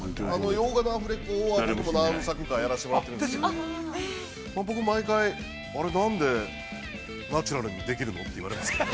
◆洋画のアフレコは何作かやらしてもらっているんですけど、僕、毎回、あれ、なんでナチュラルにできるのって言われますけど。